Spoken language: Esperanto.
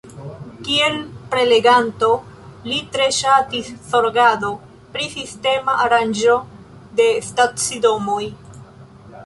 Kiel preleganto li tre ŝatis zorgado pri sistema aranĝo de stacidomoj.